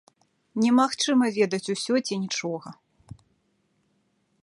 Немагчыма ведаць усё ці нічога.